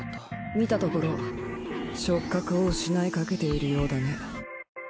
見たところ触覚を失いかけているようだね。